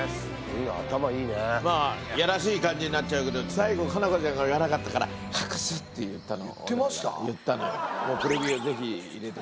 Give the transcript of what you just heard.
まあやらしい感じになっちゃうけど最後佳菜子ちゃんが言わなかったから言ってました？